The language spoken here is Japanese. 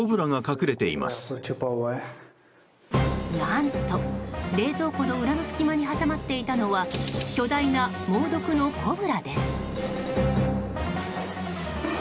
何と冷蔵庫の裏の隙間に挟まっていたのは巨大な猛毒のコブラです。